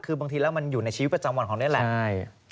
คือบางทีแล้วมันอยู่ในชีวิตประจำวันของนี่แหละ